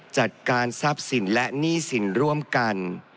จัดการทรัพย์สินและหนี้สินร่วมกัน